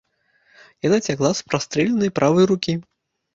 Яна цякла з прастрэленай правай рукі.